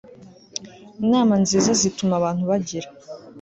Inama nziza zituma abantu bagira